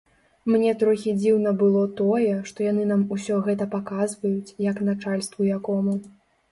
Мне трохі дзіўна было тое, што яны нам усё гэта паказваюць, як начальству якому.